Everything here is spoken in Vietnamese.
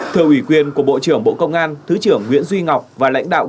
thưa ủy quyền của bộ trưởng bộ công an thứ trưởng nguyễn duy ngọc và lãnh đạo